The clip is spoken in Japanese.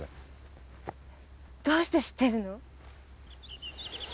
どうして知ってるの？